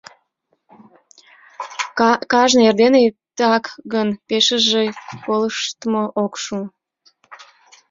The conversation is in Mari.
Кажне эрдене иктак гын, пешыже колыштмо ок шу.